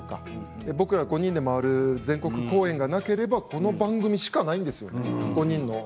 僕ら５人で回る全国公演がなければ５人が集まる時はこの番組しかないんです。